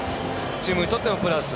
チームにとってもプラス。